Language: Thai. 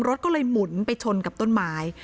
รถก็เลยหมุนไปชนกับต้นไม้